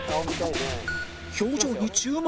表情に注目！